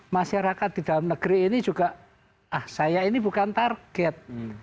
masyarakat di dalam negeri ini juga ah saya ini bukan target